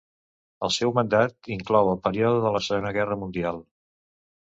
El seu mandat inclou el període de la Segona Guerra Mundial.